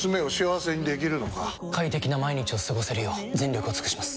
快適な毎日を過ごせるよう全力を尽くします！